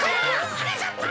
はなかっぱ！